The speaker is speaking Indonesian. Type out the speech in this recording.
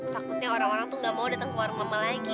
takutnya orang orang tuh gak mau datang ke warung mama lagi